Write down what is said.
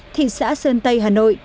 thị xã sơn tây hà nội